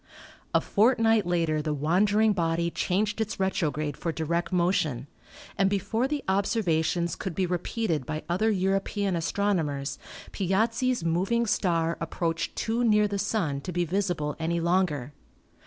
A fortnight later the wandering body changed its retrograde for direct motion, and before the observations could be repeated by other European astronomers Piazzi's moving star approached too near the Sun to be visible any longer.